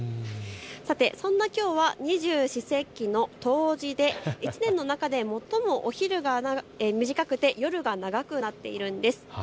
さて、そんなきょうは二十四節気の冬至で１年の中で最もお昼が短くて夜が長くなっているんです。